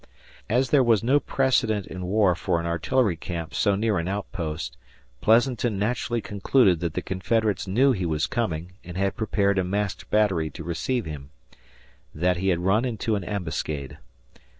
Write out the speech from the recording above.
As there was no precedent in war for an artillery camp so near an outpost Pleasanton naturally concluded that the Confederates knew he was coming and had prepared a masked battery to receive him; that he had run into an ambuscade.